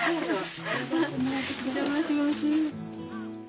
お邪魔します。